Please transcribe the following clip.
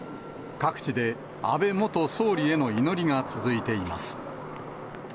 各地で安倍元総理への祈りが続いています。